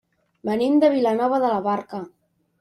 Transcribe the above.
Venim de Vilanova de la Barca.